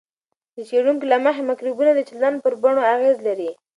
د څېړونکو له مخې، مایکروبونه د چلند پر بڼو اغېز لري.